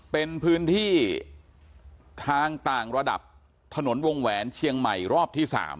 เป็นพื้นที่ทางต่างระดับถนนวงแหวนเชียงใหม่รอบที่๓